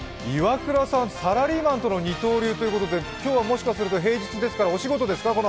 岩倉さんサラリーマンとの二刀流ということで今日はもしかすると平日ですからお仕事ですか？